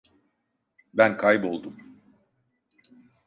Ben kayboldum.